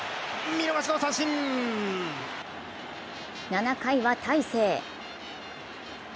７回は大勢。